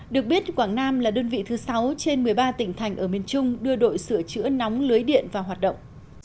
được biết quảng nam là đơn vị thứ sáu trên một mươi ba tỉnh thành ở miền trung đưa đội sửa chữa nóng lưới điện vào hoạt động